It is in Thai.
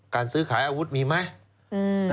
การซื้อขายอาวุธมีไหม